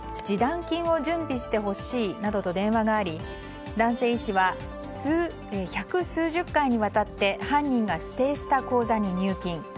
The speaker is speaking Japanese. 示談金を準備してほしいなどと電話があり男性医師は百数十回にわたって犯人が指定した口座に入金。